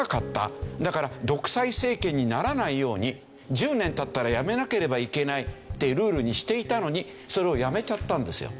だから独裁政権にならないように１０年経ったら辞めなければいけないっていうルールにしていたのにそれをやめちゃったんですよ。